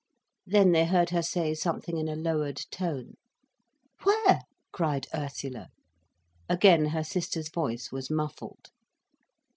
Then they heard her say something in a lowered tone. "Where?" cried Ursula. Again her sister's voice was muffled.